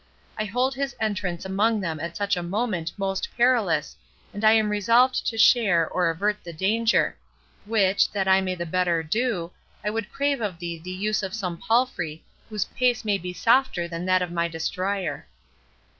I hold his entrance among them at such a moment most perilous, and I am resolved to share or avert the danger; which, that I may the better do, I would crave of thee the use of some palfrey whose pace may be softer than that of my 'destrier'."